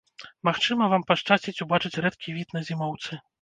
Магчыма, вам пашчасціць убачыць рэдкі від на зімоўцы.